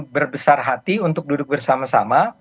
berbesar hati untuk duduk bersama sama